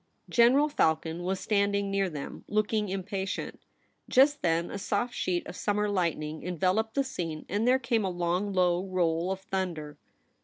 General Falcon was standing near them, looking impatient. Just then a soft sheet of summer lightning enveloped the scene, and there came a long low roll of thunder.